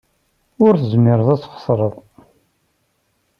Ur tezmireḍ ad txeṣreḍ.